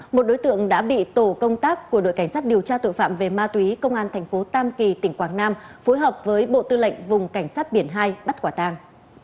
một đối tượng đã bị tổ công tác của đội cảnh sát điều tra tội phạm về ma túy công an thành phố tam kỳ tỉnh quảng nam phối hợp với bộ tư lệnh vùng cảnh sát biển hai bắt quả tàng